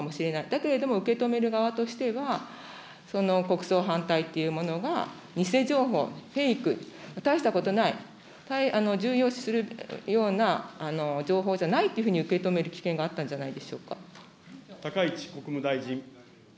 だけれども、受け止める側としては、その国葬反対というものが偽情報、フェイク、大したことない、重要視するような情報じゃないっていうふうに受け止める危険があ高市国務大臣。